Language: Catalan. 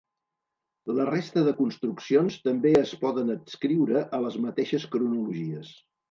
La resta de construccions també es poden adscriure a les mateixes cronologies.